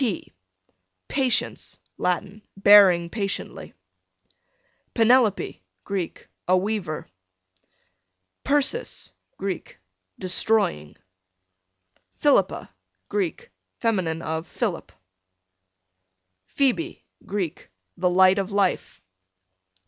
P Patience, Latin, bearing patiently. Penelope, Greek, a weaver. Persis, Greek, destroying. Philippa, Greek, fem. of Philip. Phoebe, Greek, the light of life.